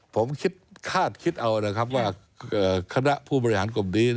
ผมคาดคิดเอานะครับว่าคณะผู้บริหารกลุ่มนี้